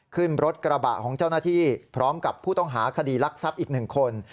ขึ้นรถกระบะของเจ้าหน้าที่พร้อมกับผู้ต้องหาคดีรักทรัพย์อีก๑คน